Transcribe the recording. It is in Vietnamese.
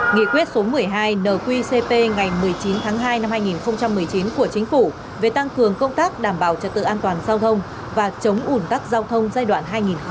nghị quyết số một mươi hai nqcp ngày một mươi chín tháng hai năm hai nghìn một mươi chín của chính phủ về tăng cường công tác đảm bảo trật tự an toàn giao thông và chống ủn tắc giao thông giai đoạn hai nghìn một mươi sáu hai nghìn hai mươi